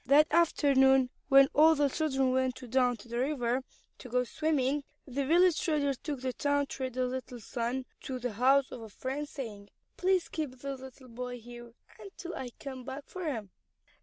That afternoon when all the children went down to the river to go swimming, the village trader took the town trader's little son to the house of a friend saying, "Please keep this little boy here until I come back for him."